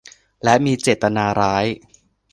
และมีเจตนาร้าย